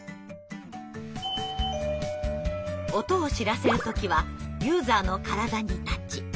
音を知らせる時はユーザーの体にタッチ。